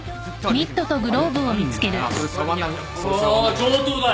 上等だよ。